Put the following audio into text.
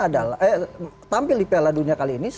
adalah eh tampil di piala dunia kali ini